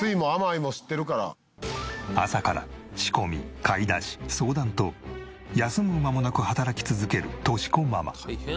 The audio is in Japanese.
朝から仕込み買い出し相談と休む間もなく働き続ける敏子ママ。